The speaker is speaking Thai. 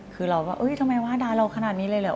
คือเราว่าทำไมว่าด่าเราขนาดนี้เลยเหรอ